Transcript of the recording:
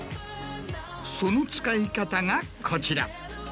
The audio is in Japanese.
その使い方がこちら。